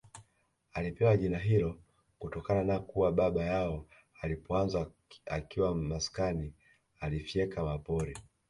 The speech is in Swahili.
Alipewa jina hilo kutokana na kuwa baba yao alipoanza akiwa maskani alifyeka mapori